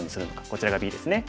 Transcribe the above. こちらがＢですね。